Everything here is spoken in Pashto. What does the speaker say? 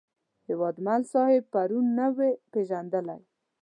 هیوادمل صاحب پرون نه وې پېژندلی.